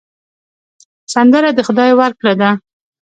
سندره د خدای ورکړه ده